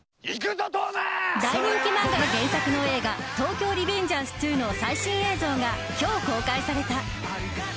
大人気漫画が原作の映画「東京リベンジャーズ２」の最新映像が今日、公開された。